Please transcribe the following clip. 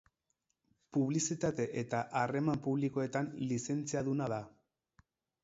Publizitate eta Harreman Publikoetan lizentziaduna da.